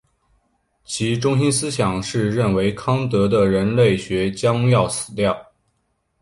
其中心思想是认为康德的人类学将要死掉。